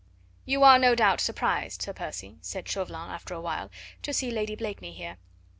"You are no doubt surprised, Sir Percy," said Chauvelin after a while, "to see Lady Blakeney here.